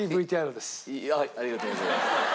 ありがとうございます。